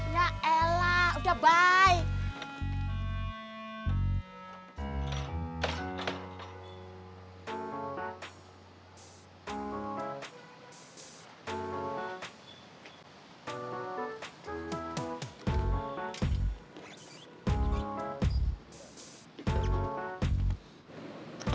yaelah udah bye